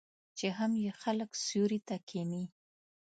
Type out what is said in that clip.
چې هم یې خلک سیوري ته کښیني.